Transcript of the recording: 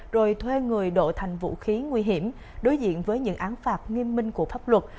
rồi thuê người đổ thành vũ khí nguy hiểm đối diện với những án phạt nghiêm minh của pháp luật